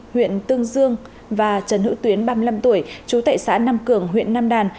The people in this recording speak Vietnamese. huyện tương dương và trần hữu tuyến ba mươi năm tuổi chú tại xã nam cường huyện nam đàn